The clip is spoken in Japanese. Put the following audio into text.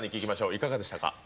いかがでしたか？